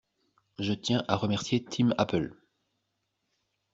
Je tiens à remercier Tim Apple.